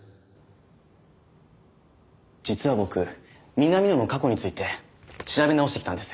実は僕南野の過去について調べ直してきたんです。